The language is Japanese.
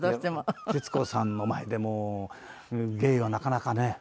徹子さんの前でもう芸はなかなかね。